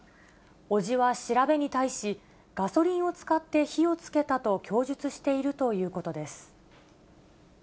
伯父は調べに対し、ガソリンを使って火をつけたと供述しているということです。